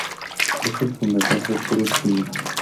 Él es el fundador de Puro Chile.